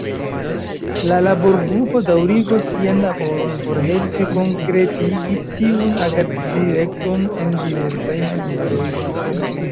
La laborgrupo daŭrigos sian laboron por helpi konkretigi tiun agaddirekton en diversaj manieroj.